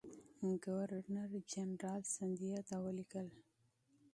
ګورنرجنرال سیندهیا ته ولیکل.